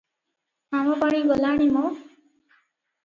ଆମପାଣି ଗଲାଣି ମ!